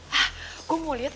hah gue mau liat